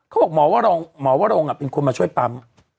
เขาบอกหมอวรงเป็นคนมาช่วยปั๊ม